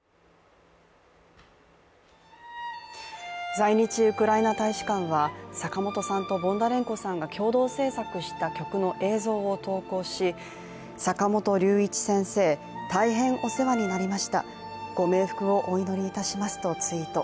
在日ウクライナ大使館は坂本さんとボンダレンコさんが共同制作した曲の映像を投稿し坂本龍一先生、大変お世話になりましたご冥福をお祈りいたしますとツイート。